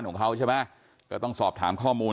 นะฮะ